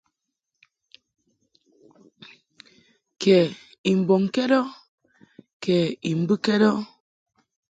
Kɛ i mbɔŋkɛd ɔ kɛ I mbɨkɛd ɔ.